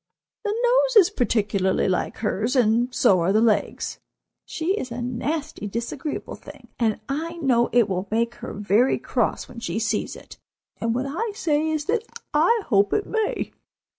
The nose is particularly like hers, and so are the legs. She is a nasty, disagreeable thing, and I know it will make her very cross when she sees it, and what I say is that I hope it may.